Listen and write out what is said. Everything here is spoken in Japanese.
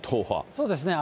そうですね。